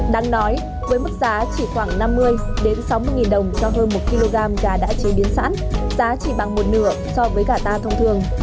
đáng nói với mức giá chỉ khoảng năm mươi sáu mươi nghìn đồng cho hơn một kg gà đã chế biến sẵn giá chỉ bằng một nửa so với gà thông thường